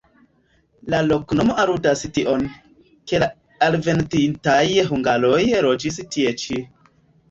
La loknomo aludas tion, ke la alvenintaj hungaroj loĝis tie ĉi.